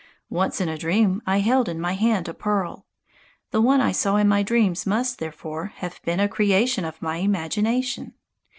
Once in a dream I held in my hand a pearl. The one I saw in my dreams must, therefore, have been a creation of my imagination.